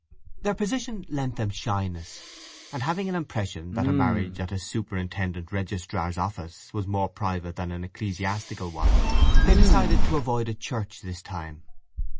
Their position lent them shyness, and having an impression that a marriage at a superintendent registrar's office was more private than an ecclesiastical one, they decided to avoid a church this time.